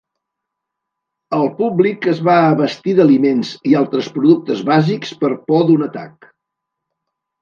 El públic es va abastir d'aliments i altres productes bàsics per por d'un atac.